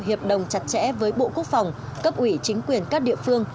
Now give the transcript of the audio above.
hiệp đồng chặt chẽ với bộ quốc phòng cấp ủy chính quyền các địa phương